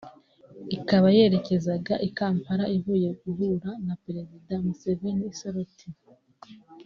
ikaba yerekezaga i Kampala ivuye guhura na perezida Museveni i Soroti